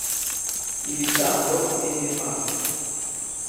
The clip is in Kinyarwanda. ibitambo izindi mana